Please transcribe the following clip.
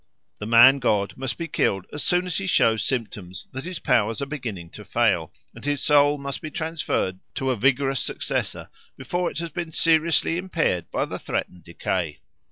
The man god must be killed as soon as he shows symptoms that his powers are beginning to fail, and his soul must be transferred to a vigorous successor before it has been seriously impaired by the threatened decay.